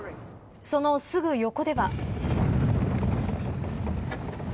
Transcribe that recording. そのすぐ横では。